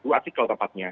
dua artikel tepatnya